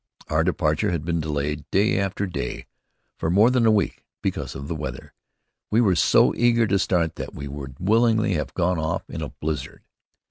Our departure had been delayed, day after day, for more than a week, because of the weather. We were so eager to start that we would willingly have gone off in a blizzard.